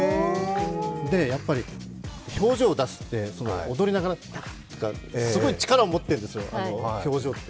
やっぱり表情を出すって、踊りながらダンッとか、すごい力を持ってるんですよ表情って。